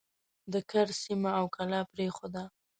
د کرز سیمه او کلا پرېښوده.